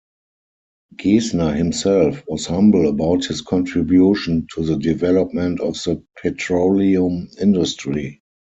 Gesner himself was humble about his contribution to the development of the petroleum industry.